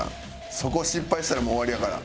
そこ失敗したらもう終わりやから。